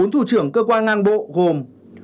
bốn thủ trưởng cơ quan ngang bộ gồm